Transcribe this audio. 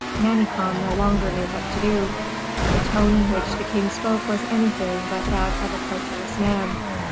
Manicamp no longer knew what to do; the tone in which the king spoke was anything but that of a credulous man.